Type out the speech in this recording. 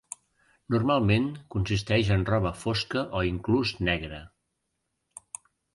Normalment consisteix en roba fosca o inclús negra.